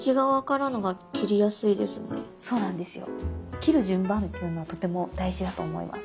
切る順番っていうのはとても大事だと思います。